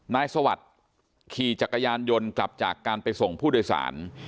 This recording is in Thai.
สวัสดิ์ขี่จักรยานยนต์กลับจากการไปส่งผู้โดยสาร